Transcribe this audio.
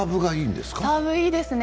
サーブ、いいですね